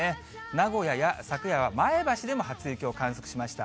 名古屋や昨夜は前橋でも初雪を観測しました。